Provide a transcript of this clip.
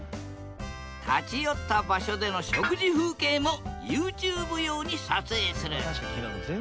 立ち寄った場所での食事風景もＹｏｕＴｕｂｅ用に撮影する。